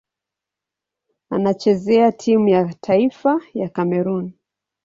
Anachezea timu ya taifa ya Kamerun.